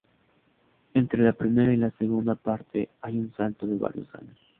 Entre la primera y la segunda parte hay un salto de varios años.